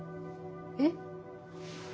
えっ？